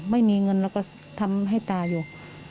ไม่มีเงินเราก็ทำให้ตาอยู่